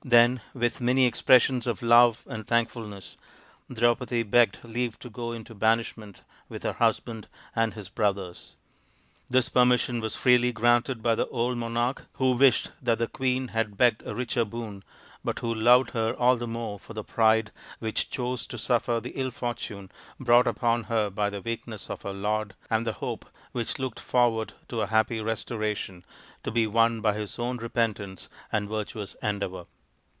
" Then with many expressions of love and thankfulness Draupadi begged leave to go into banishment with her husband and his brothers. This permission was freely granted by the old monarch, who wished that the queen had begged a richer boon, but who loved her all the more for the pride which chose to suffer the ill fortune brought upon her by the weakness of her lord, and the hope which looked forward to a happy restoration, to be won by his own repentance and virtuous endeavour.